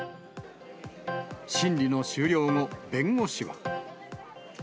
審理の終了後、弁護士は。